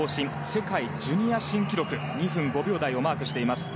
世界ジュニア新記録２分５秒台をマークしています。